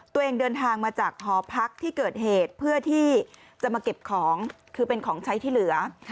ตัวเองเดินทางมาจากหอพักที่เกิดเหตุเพื่อที่จะมาเก็บของคือเป็นของใช้ที่เหลือ